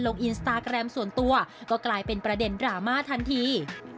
อินสตาแกรมส่วนตัวก็กลายเป็นประเด็นดราม่าทันที